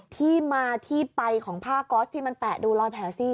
ที่มาที่ไปของผ้าก๊อสที่มันแปะดูรอยแผลสิ